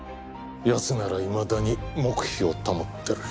奴ならいまだに黙秘を保ってる。